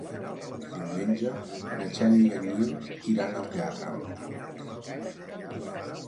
Diumenge na Xènia i en Nil iran al teatre.